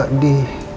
kok gak di